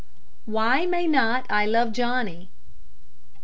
WHY MAY NOT I LOVE JOHNNY?